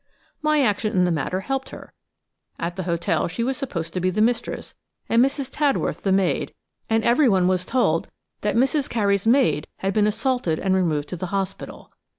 My action in the matter helped her. At the hotel she was supposed to be the mistress and Mrs. Tadworth the maid, and everyone was told that "Mrs. Carey's maid" had been assaulted, and removed to the hospital.